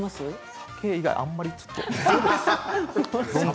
サケ以外あんまりちょっと。